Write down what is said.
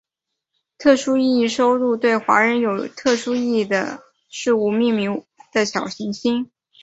特殊意义收录对华人有特殊意义的事物命名的小行星。